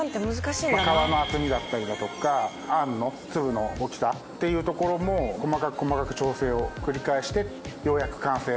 皮の厚みだったりだとか餡の粒の大きさっていうところも細かく細かく調整を繰り返してようやく完成。